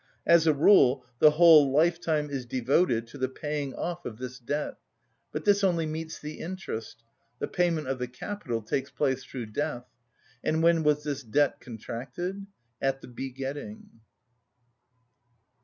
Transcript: As a rule, the whole lifetime is devoted to the paying off of this debt; but this only meets the interest. The payment of the capital takes place through death. And when was this debt contracted? At the begetting.